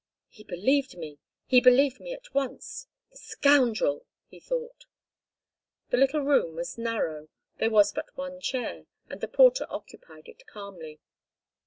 "He believed me—he believed me at once! The scoundrel!" he thought. The little room was narrow; there was but one chair, and the porter occupied it calmly.